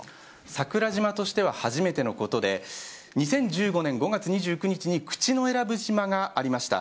桜島としては初めてのことで２０１５年５月２９日に口永良部島がありました。